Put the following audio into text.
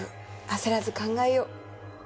焦らず考えよう。